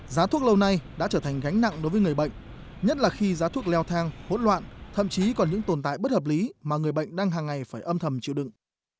giá thuốc lâu nay đã trở thành gánh nặng đối với người bệnh nhất là khi giá thuốc leo thang hỗn loạn thậm chí còn những tồn tại bất hợp lý mà người bệnh đang hàng ngày phải âm thầm chịu đựng